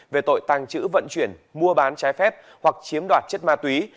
về tội tàng trữ vận chuyển mua bán trái phép hoặc chiếm đoạt chất ma túy